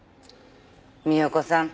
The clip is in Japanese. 美代子さん。